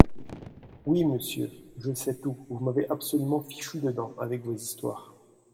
Oui, monsieur, je sais tout, vous m'avez absolument fichu dedans, avec vos histoires.